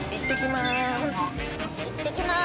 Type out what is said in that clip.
いってきます。